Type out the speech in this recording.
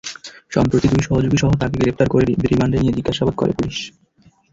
সম্প্রতি দুই সহযোগীসহ তাঁকে গ্রেপ্তার করে রিমান্ডে নিয়ে জিজ্ঞাসাবাদ করে পুলিশ।